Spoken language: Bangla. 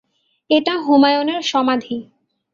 এটা হুমায়ূনের সমাধি।